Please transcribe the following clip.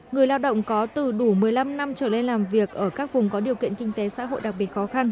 người lao động có từ đủ một mươi năm năm trở lên làm việc ở các vùng có điều kiện kinh tế xã hội đặc biệt khó khăn